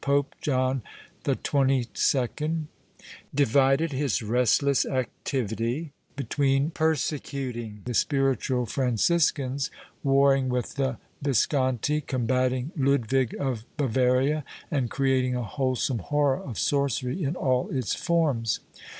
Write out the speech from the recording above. Pope John XXII divided his restless activity between persecuting the Spiritual Franciscans, warring with the Visconti, combating^ Ludwig of Bavaria and creating a wholesome horror of sorcery in all its forms.